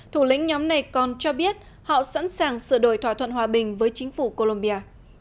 thủ lĩnh nhóm này còn cho biết họ sẵn sàng sửa đổi thỏa thuận hòa bình với chính phủ colombia